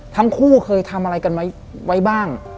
ทั้งคู่เคยทำอะไรกันไว้บ้าง